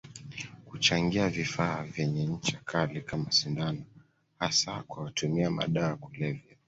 Kuchangia vifaa vyenye ncha Kali kama sindano hasa kwa watumia madawa ya kulevya